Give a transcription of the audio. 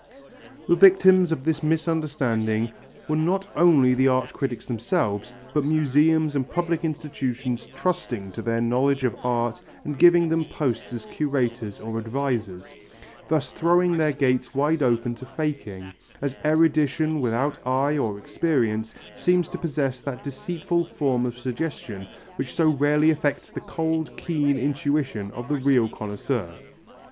The victims of this misunderstanding were not only the art critics themselves but museums and public institutions trusting to their knowledge of art and giving them posts as curators or advisers, thus throwing their gates wide open to faking as erudition without eye or experience seems to possess that deceitful form of suggestion which so rarely affects the cold, keen intuition of the real connoisseur.